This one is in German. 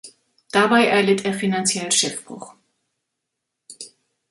Dabei erlitt er finanziell Schiffbruch.